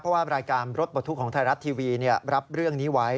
เพราะว่ารายการรถปลดทุกข์ของไทยรัฐทีวีรับเรื่องนี้ไว้